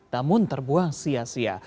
namun terbuang sia sia